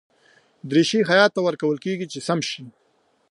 دریشي خیاط ته ورکول کېږي چې سم شي.